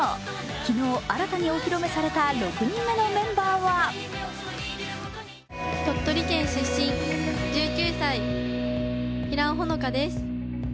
昨日新たにお披露目された６人目のメンバーは鳥取県出身、１９歳、平尾帆夏です。